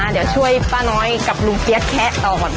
เดี๋ยวช่วยป้าน้อยกับลุงเปี๊ยกแคะต่อก่อน